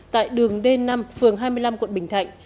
tại đường d năm phường hai mươi năm quận bình thạnh